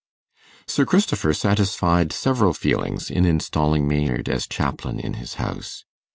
Sir Christopher satisfied several feelings in installing Maynard as chaplain in his house.